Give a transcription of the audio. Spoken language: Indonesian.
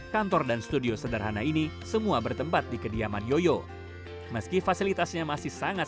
kantor dan studio sederhana ini semua bertempat di kediaman yoyo meski fasilitasnya masih sangat